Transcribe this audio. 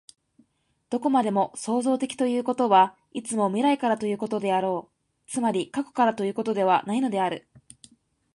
どこまでも創造的ということは、いつも未来からということであろう、つまり過去からということはないのである。